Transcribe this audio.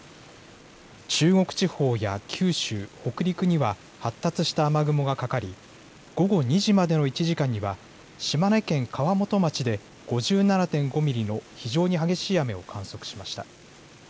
中国地方や九州、北陸には発達した雨雲がかかり午後２時までの１時間には島根県川本町で５７．５ミリの非常に激しい雨を観測しました。